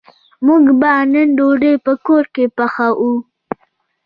موږ به نن ډوډۍ په کور کی پخوو